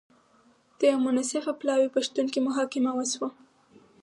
د یوه منصفه پلاوي په شتون کې محاکمه وشوه.